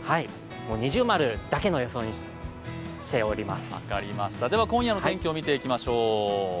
◎だけの予想にしております。